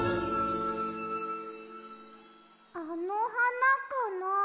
あのはなかな？